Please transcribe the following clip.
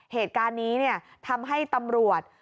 เหตุการณ์นี้ทำให้ตำรวจ